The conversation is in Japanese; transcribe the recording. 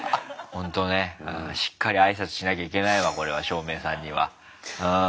ほんとねしっかり挨拶しなきゃいけないわこれは照明さんにはうん。